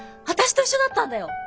私と一緒だったんだよ。